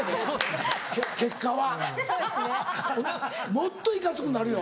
もっといかつくなるよ。